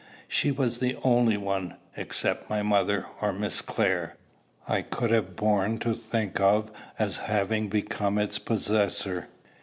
She was the only one, except my mother or Miss Clare, I could have borne to think of as having become its possessor.